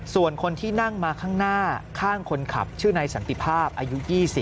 ส่วนคนที่นั่งมาข้างหน้าข้างคนขับชื่อนายสันติภาพอายุ๒๐